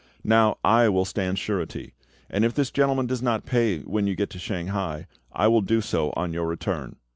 Now, I will stand surety; and if this gentleman does not pay when you get to Shanghai, I will do so on your return."